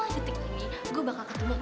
mulai detik ini gue bakal ketemu